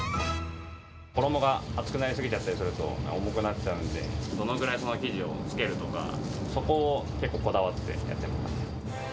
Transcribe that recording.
衣が厚くなり過ぎちゃったりすると、重くなっちゃうので、どのぐらい生地をつけるとか、そこを結構こだわってやっています。